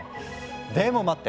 でも待って。